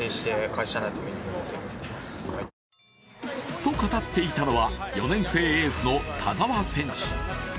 と語っていたのは４年生エースの田澤選手。